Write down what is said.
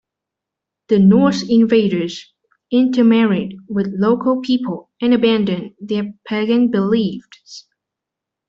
The Norse invaders intermarried with local people and abandoned their pagan beliefs.